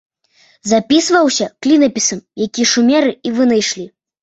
Запісваўся клінапісам, які шумеры і вынайшлі.